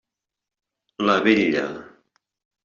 La vetlla.